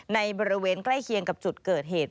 ในบริเวณใกล้เคียงกับจุดเกิดเหตุ